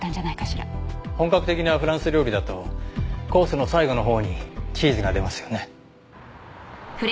本格的なフランス料理だとコースの最後のほうにチーズが出ますよね。